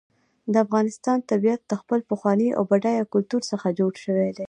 د افغانستان طبیعت له خپل پخواني او بډایه کلتور څخه جوړ شوی دی.